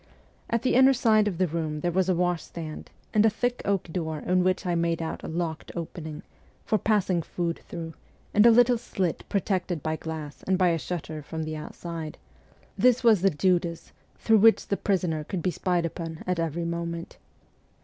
At the inner side of the room there was a washstand, and a thick oak door in which I made out a locked opening, for passing food through, and a little slit protected by glass and by a shutter from the outside : this was the ' Judas,' through which the prisoner could be spied upon at every moment.